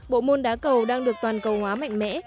bộ môn đá cầu đang được toàn cầu hóa mạnh mẽ